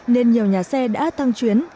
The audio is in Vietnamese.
nên nhiều nhà xe đã tăng chuyến